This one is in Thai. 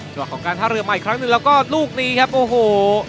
ของการท่าเรือมาอีกครั้งหนึ่งแล้วก็ลูกนี้ครับโอ้โห